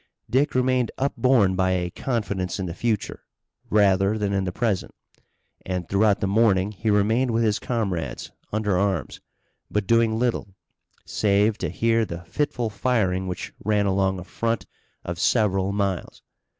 Dick remained upborne by a confidence in the future rather than in the present, and throughout the morning he remained with his comrades, under arms, but doing little, save to hear the fitful firing which ran along a front of several miles.